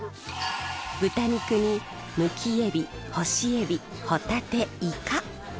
豚肉にむきエビ干しエビホタテイカ。